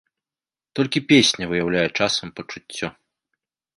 Толькі песня выяўляе часам пачуццё.